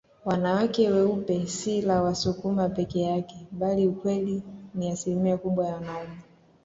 Wanawake weupe si la Wasukuma peke yake bali ukweli ni asimilia kubwa ya wanaume